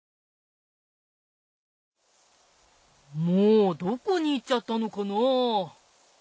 もうどこにいっちゃったのかな？